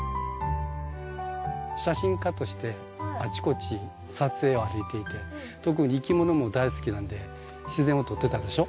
写真家としてあちこち撮影を歩いていて特にいきものも大好きなんで自然を撮ってたでしょ。